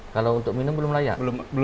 kalau untuk minum belum layak